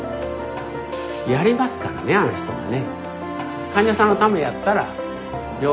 やりますからねあの人はね。